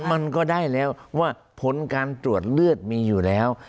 มันก็ได้แล้วว่าผลการตรวจเลือดมีอยู่แล้ว